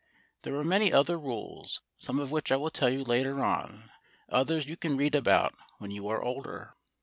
There were many other rules, some of which I will tell you later on, others you can read about when you are older.